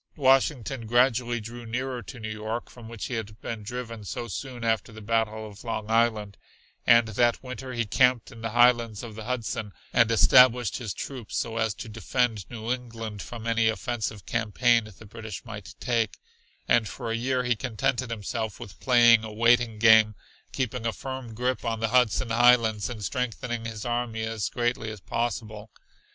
Washington gradually drew nearer to New York, from which he had been driven so soon after the Battle of Long Island, and that winter he camped in the highlands of the Hudson and established his troops so as to defend New England from any offensive campaign the British might make, and for a year he contented himself with playing a waiting game, keeping a firm grip on the Hudson Highlands and strengthening his army as greatly as possible.